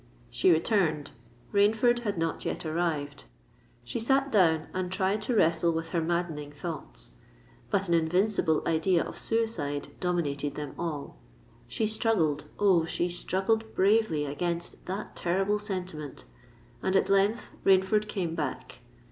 She returned;—Rainford had not yet arrived. She sate down, and tried to wrestle with her maddening thoughts: but an invincible idea of suicide dominated them all. She struggled—Oh! she struggled bravely against that terrible sentiment; and at length Rainford came back.